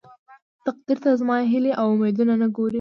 تقديره ته زما هيلې او اميدونه ته نه ګورې.